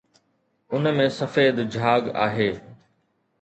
ان ۾ سفيد جھاگ آهي